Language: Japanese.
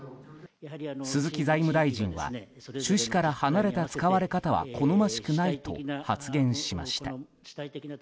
鈴木財務大臣は趣旨から離れた使われ方は好ましくないと発言しました。